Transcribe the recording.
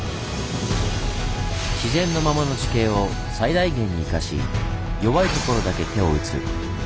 自然のままの地形を最大限に生かし弱いところだけ手を打つ。